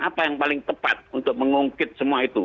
apa yang paling tepat untuk mengungkit semua itu